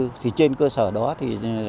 rồi thì trên cơ sở đó thì